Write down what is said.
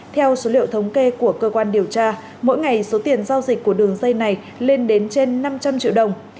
theo số liệu thống kê của cơ quan điều tra mỗi ngày số tiền giao dịch của đường dây này lên đến trên năm trăm linh triệu đồng